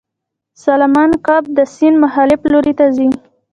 سالمن کب د سیند مخالف لوري ته ځي